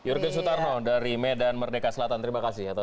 jurgen sutarno dari medan merdeka selatan terima kasih atau selamat datang